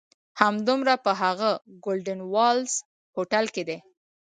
همدومره په هغه "ګولډن والز" هوټل کې دي.